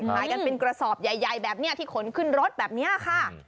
ขายกันเป็นกระสอบใหญ่แบบนี้ที่ขนขึ้นรถแบบนี้ค่ะ